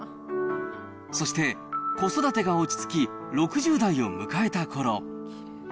そして、子育てが落ち着き６０代を迎えたころ。